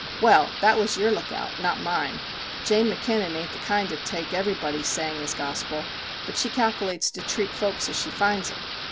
Well ! that was your look out not mine! Jane Mackinnon ain't the kind to take everybody's sayin' as gospil, but she kalkilates to treat folks ez she finds 'em.